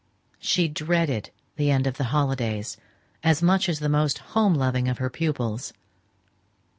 She dreaded the end of her holidays as much as the most home loving of her pupils.